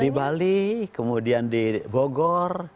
di bali kemudian di bogor